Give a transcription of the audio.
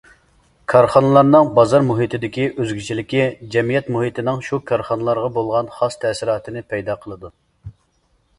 كارخانىلارنىڭ بازار مۇھىتىدىكى ئۆزگىچىلىكى جەمئىيەت مۇھىتىنىڭ شۇ كارخانىلارغا بولغان خاس تەسىراتىنى پەيدا قىلىدۇ.